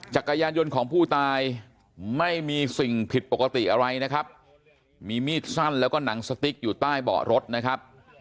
จักรยานยนต์ของผู้ตายไม่มีสิ่งผิดปกติอะไรนะครับมีมีดสั้นแล้วก็หนังสติ๊กอยู่ใต้เบาะรถนะครับ